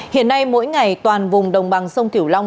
hiện nay mỗi ngày toàn vùng đồng bằng sông kiểu long